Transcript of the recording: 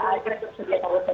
saya tidak sedia sedia